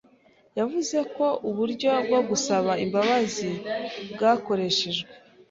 yavuze ko uburyo bwo gusaba imbabazi bwakoreshejwe